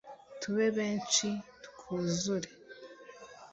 Tube benshi twuzure